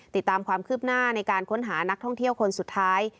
ติดตามความคืบหน้าในการค้นหานักท่องเที่ยวคนสุดท้าย